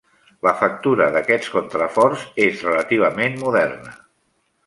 La factura d'aquests contraforts és relativament moderna.